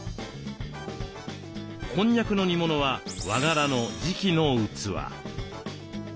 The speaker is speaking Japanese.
こんにゃくの煮物は和柄の磁器の器。